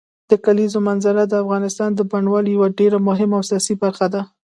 د کلیزو منظره د افغانستان د بڼوالۍ یوه ډېره مهمه او اساسي برخه ده.